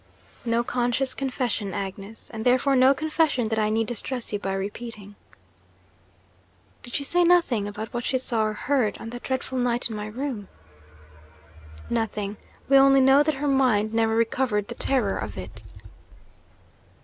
'No conscious confession, Agnes and therefore no confession that I need distress you by repeating.' 'Did she say nothing about what she saw or heard, on that dreadful night in my room?' 'Nothing. We only know that her mind never recovered the terror of it.'